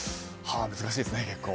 難しいですね、結構。